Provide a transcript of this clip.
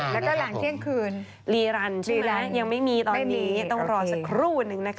แล้วก็หลังเที่ยงคืนลีรันชื่อแล้วยังไม่มีตอนนี้ต้องรอสักครู่นึงนะคะ